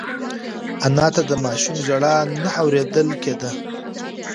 انا ته د ماشوم ژړا نه اورېدل کېده.